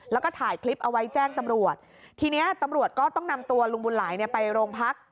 แล้วก็ถ่ายคลิปเอาไว้แจ้งตำรวจทีนี้ตำรวจก็ต้องนำตัวลุงบุญหลายเนี่ยไปโรงพัก